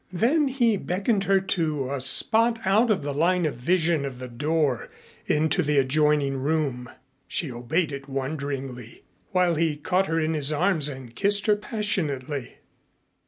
Then he beckoned her to a spot out of the line of vision of the door into the adjoining room. She obeyed it wonderingly while he caught her in his arms and kissed her passionately.